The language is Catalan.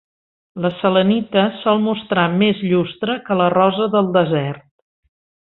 La selenita sol mostrar més llustre que la rosa del desert.